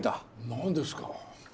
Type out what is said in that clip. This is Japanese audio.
何ですか？